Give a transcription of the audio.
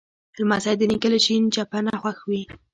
لمسی د نیکه له شین چپنه خوښ وي.